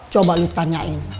coba lu tanyain